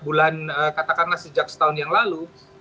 bulan katakanlah sejak setahun yang lalu